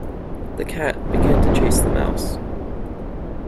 The cat began to chase the mouse.